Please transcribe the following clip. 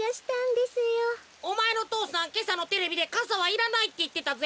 おまえの父さんけさのテレビでかさはいらないっていってたぜ。